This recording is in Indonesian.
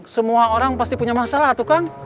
semua orang pasti punya masalah tuh kang